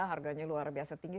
harganya luar biasa tinggi